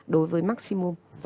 đối với maximum